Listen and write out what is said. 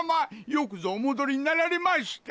よくぞお戻りになられました！